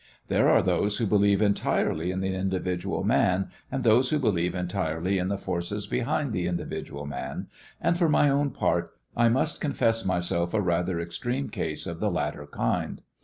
There are those who believe entirely in the individual man and those who believe entirely in the forces behind the individual man, and for my own part I must confess myself a rather extreme case of the latter kind.